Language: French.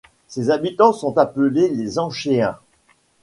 Ses habitants sont appelés les Anchéens.